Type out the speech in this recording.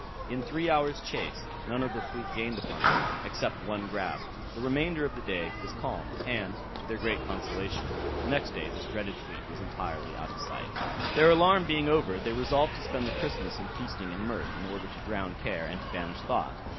In three hours' chase none of the fleet gained upon them, except one grab. The remainder of the day was calm, and, to their great consolation, the next day this dreaded fleet was entirely out of sight. Their alarm being over, they resolved to spend the Christmas in feasting and mirth, in order to drown care, and to banish thought.